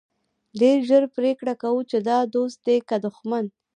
ډېر ژر پرېکړه کوو چې دا دوست دی که دښمن.